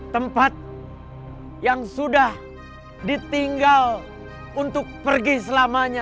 tempat yang sudah ditinggal untuk pergi selamanya